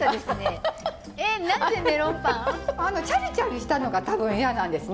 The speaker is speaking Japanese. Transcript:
あのチャリチャリしたのが多分嫌なんですね